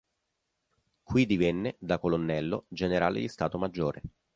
Qui divenne, da colonnello, generale di Stato maggiore.